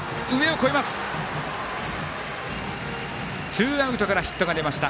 ツーアウトからヒットが出ました。